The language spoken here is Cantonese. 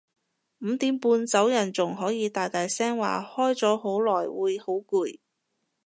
五點半走人仲可以大大聲話開咗好耐會好攰